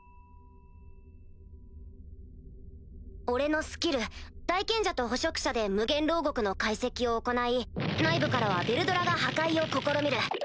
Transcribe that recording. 俺のスキル大賢者と捕食者で無限牢獄の解析を行い内部からはヴェルドラが破壊を試みる。